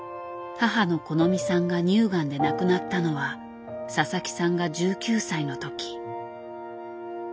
母のこのみさんが乳がんで亡くなったのは佐々木さんが１９歳のとき。